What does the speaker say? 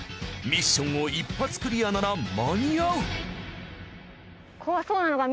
ミッションを一発クリアなら間に合う。